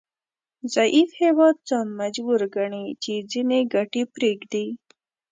ضعیف هیواد ځان مجبور ګڼي چې ځینې ګټې پریږدي